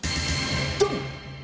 どん。